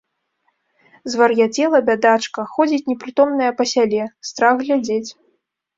Звар'яцела, бядачка, ходзіць непрытомная па сяле, страх глядзець.